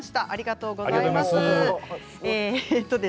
ありがとうございます。